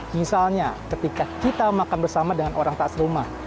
misalnya ketika kita makan bersama dengan orang tak serumah